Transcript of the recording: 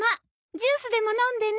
ジュースでも飲んでね。